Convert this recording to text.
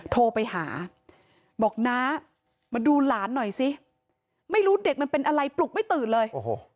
โทรไปหาบอกน้ามาดูหลานหน่อยสิไม่รู้เด็กมันเป็นอะไรปลุกไม่ตื่นเลย